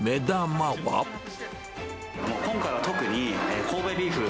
今回は特に、神戸ビーフ。